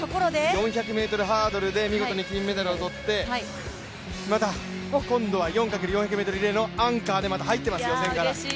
４００ｍハードルで見事に金メダルを取ってまた今度は４×４００ｍリレーのアンカーでまた入ってますよ、予選から。